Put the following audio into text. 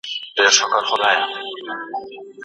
سعید ته د کلي د سهار چای ډېر خوند ورکوي.